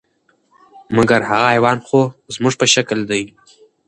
مګر هغه حیوان خو زموږ په شکل دی،